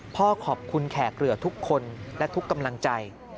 พ่อขอบคุณแขกเรือทุกคนและทุกกำลังใจ